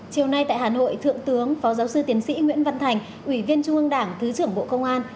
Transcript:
chiều nay tại hà nội thượng tướng phó giáo sư tiến sĩ nguyễn văn thành ủy viên trung ương đảng thứ trưởng bộ công an